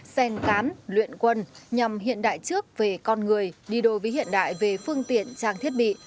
sen cán luyện quân nhằm hiện đại trước về con người đi đôi với hiện đại về phương tiện trang thiết bị